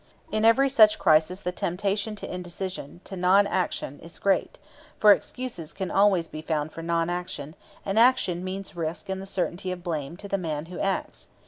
In every such crisis the temptation to indecision, to non action, is great, for excuses can always be found for non action, and action means risk and the certainty of blame to the man who acts.